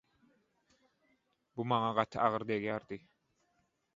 Bu maňa gaty agyr degýärdi.